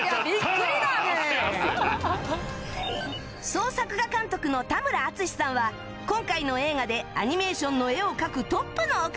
総作画監督の田村篤さんは今回の映画でアニメーションの絵を描くトップのお方